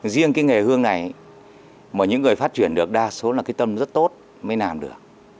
riêng cái nghề hương này mà những người phát triển được đa số là cái tâm rất tốt mới làm được